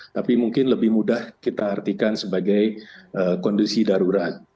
tapi mungkin lebih mudah kita artikan sebagai kondisi darurat